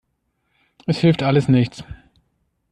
Es hilft alles nichts.